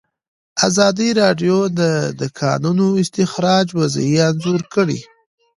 ازادي راډیو د د کانونو استخراج وضعیت انځور کړی.